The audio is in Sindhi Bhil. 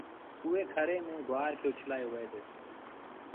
اُئي کري ميݩ گُوآر کي اُڇلآيو وهي دو۔